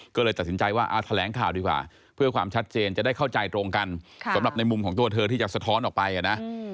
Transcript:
ก็เลยตัดสินใจว่าแถลงข่าวดีกว่าเพื่อความชัดเจนจะได้เข้าใจตรงกันสำหรับในมุมของตัวเธอที่จะสะท้อนออกไปนะ